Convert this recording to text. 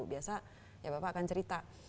biasa ya bapak akan cerita